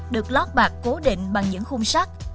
được lót bạc cố định bằng những khung sắt